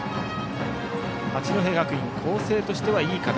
八戸学院光星としては、いい形。